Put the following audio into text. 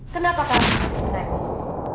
kenapa kamu harus menangis